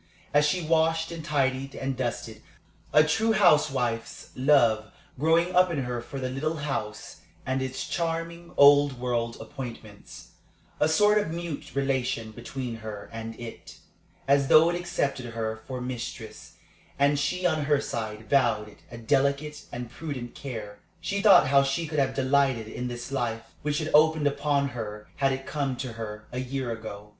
As she washed and tidied and dusted, a true housewife's love growing up in her for the little house and its charming, old world appointments a sort of mute relation between her and it, as though it accepted her for mistress, and she on her side vowed it a delicate and prudent care she thought how she could have delighted in this life which had opened upon her had it come to her a year ago.